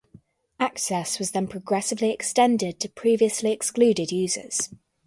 Access was then progressively extended to previously excluded users.